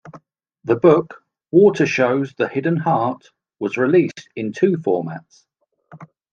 The book "Water Shows the Hidden Heart" was released in two formats.